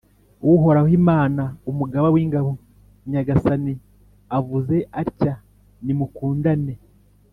Uhoraho, Imana Umugaba w’ingabo, Nyagasani avuze atya:nimu kundane